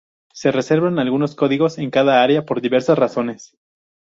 Se reservan algunos códigos en cada área, por diversas razones.